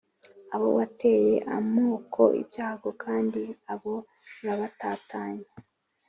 abo Wateye amoko ibyago kandi abo urabatatanya